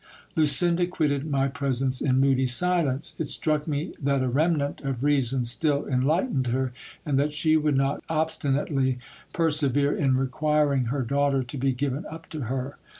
Lucinda quitted my presence in moody silence. It struck me that a remnant of reason still en lightened her, and that she would not obstinately persevere in requiring her laughter to be given up to her.